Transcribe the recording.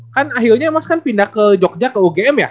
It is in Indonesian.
kan akhirnya mas kan pindah ke jogja ke ugm ya